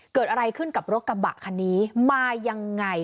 เกิดอะไรขึ้นกับรถกระบะคันนี้มายังไง